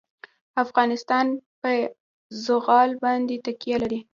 افغانستان په زغال باندې تکیه لري.